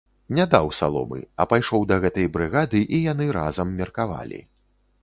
Не даў саломы, а пайшоў да гэтай брыгады, і яны разам меркавалі.